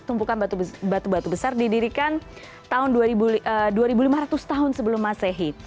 tumpukan batu batu besar didirikan tahun dua ribu lima ratus tahun sebelum masehi